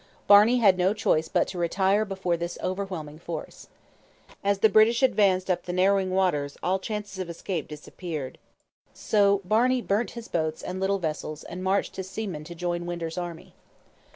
Barney had no choice but to retire before this overwhelming force. As the British advanced up the narrowing waters all chance of escape disappeared; so Barney burnt his boats and little vessels and marched his seamen in to join Winder's army.